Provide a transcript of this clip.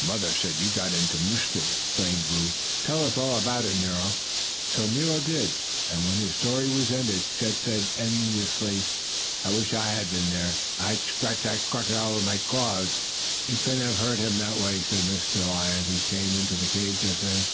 "Mother says you got into mischief!" exclaimed Boo. "Tell us all about it, Nero." So Nero did, and when his story was ended Chet said enviously: "I wish I had been there. If I had, I'd have scratched that crocodile with my claws!" "You couldn't have hurt him that way," said Mr. Lion, who came into the cave just then.